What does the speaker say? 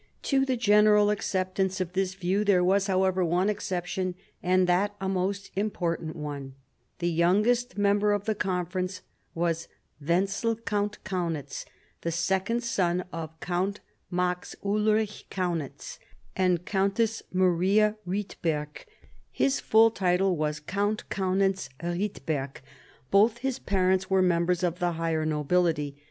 To the general acceptance of this view there was, however, one exception, and that a most important one. The youngest member of the Conference was "Wenzel, Count Kaunitz. The second son of Count Max Ulrich Kaunitz and Countess Marie Eietberg, his full title was 1748 55 CHANGE OF ALLIANCES 87 Count Kaunitz Rietberg. Both his parents were members of the higher nobility.